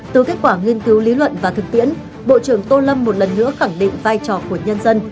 từ kết quả nghiên cứu lý luận và thực tiễn bộ trưởng tô lâm một lần nữa khẳng định vai trò của nhân dân